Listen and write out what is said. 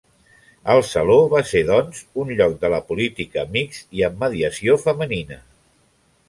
El saló va ser, doncs, un lloc de la política mixt i amb mediació femenina.